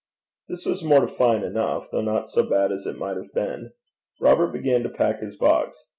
This was mortifying enough, though not so bad as it might have been. Robert began to pack his box.